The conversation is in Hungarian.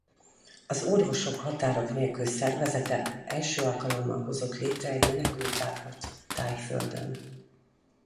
Az Orvosok Határok Nélkül szervezete első alkalommal hozott létre egy menekülttábort Thaiföldön.